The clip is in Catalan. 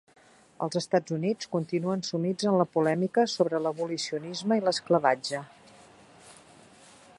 Els Estats Units continuen sumits en la polèmica sobre l'abolicionisme i l'esclavatge.